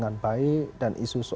kalau daripada kalau liatan program